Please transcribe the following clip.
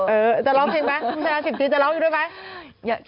เออเออจะเล่าเพลงไหมคุณสนับสนับสิบจีนจะเล่าเพลงด้วยไหม